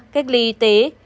ba cách ly y tế